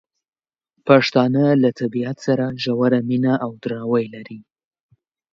پښتانه له طبیعت سره ژوره مینه او درناوی لري.